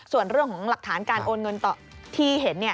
ส่วนเรื่องของหลักฐานการโอนเงินต่อที่เห็น